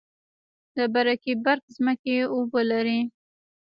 د برکي برک ځمکې اوبه لري